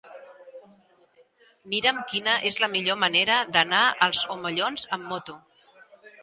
Mira'm quina és la millor manera d'anar als Omellons amb moto.